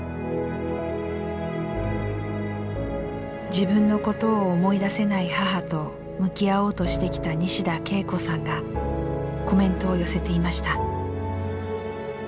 自分のことを思い出せない母と向き合おうとしてきた西田恵子さんがコメントを寄せていました。